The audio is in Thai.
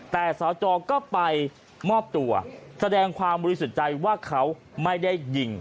แต่สอจอก็ไปมอบตัวแสดงความรู้สึกใจว่าเขาไม่ได้ยิง